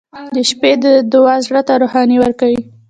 • د شپې دعا زړه ته روښنایي ورکوي.